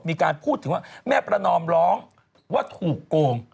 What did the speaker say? มีการพูดถึงว่าแม่ประนอมร้องว่าถูกโกง